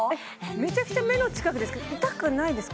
めちゃくちゃ目の近くですけど痛くないですか？